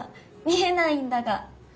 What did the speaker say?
見えないんだが！